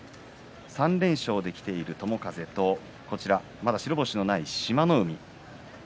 ３連勝できている友風と白星のない志摩ノ海。